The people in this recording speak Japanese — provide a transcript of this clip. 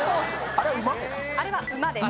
あれは馬です。